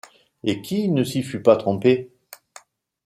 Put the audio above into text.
Et qui ne s’y fût pas trompé ?